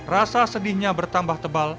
rasa sedihnya bertambah tebal